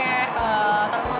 biasanya aku pakai